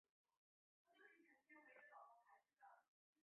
有些专门食用紫芽苜蓿干草的莞菁可能具有危险性。